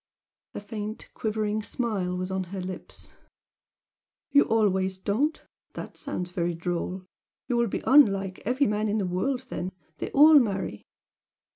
A faint, quivering smile was on her lips. "You always don't? That sounds very droll! You will be unlike every man in the world, then, they all marry!"